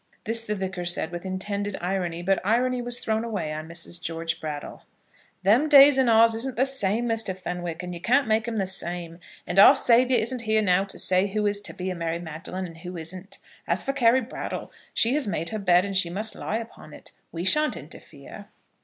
This the Vicar said with intended irony; but irony was thrown away on Mrs. George Brattle. "Them days and ours isn't the same, Mr. Fenwick, and you can't make 'em the same. And Our Saviour isn't here now to say who is to be a Mary Magdalen and who isn't. As for Carry Brattle, she has made her bed and she must lie upon it. We shan't interfere."